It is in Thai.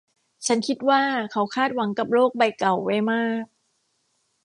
ฉันคิดว่าเขาคาดหวังกับโลกใบเก่าไว้มาก